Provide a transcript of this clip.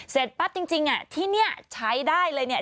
เสร็จปั๊บจริงที่นี่ใช้ได้เลยเนี่ย